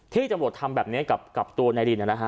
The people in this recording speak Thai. ที่ตำรวจทำแบบนี้กับตัวนายริน